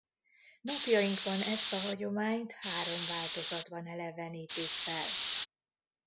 Napjainkban ezt a hagyományt három változatban elevenítik fel.